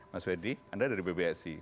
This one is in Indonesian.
mas wedy anda dari pbsi